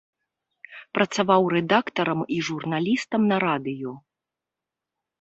Працаваў рэдактарам і журналістам на радыё.